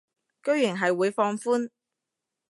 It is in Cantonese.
居然係會放寬